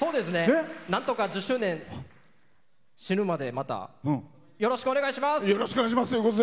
なんとか１０周年死ぬまで、またよろしくお願いします。